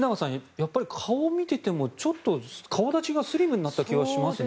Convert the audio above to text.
やっぱり顔を見ていても顔立ちがスリムになった気がしますね。